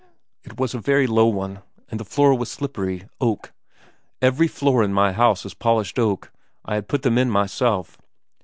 ' It was a very low one, and the floor was slippery. Oak. Every floor in my house is polished oak. I had them put in myself.